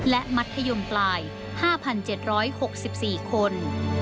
และมัธยมปลาย๕๗๖๔คน